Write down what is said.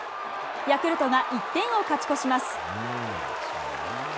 ヤクルトが１点を勝ち越します。